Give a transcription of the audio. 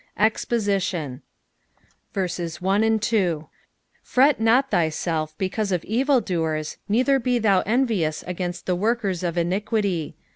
EXPOSITION. FRET not thyself because of evildoers, neither be thou envious against the workers of iniquity.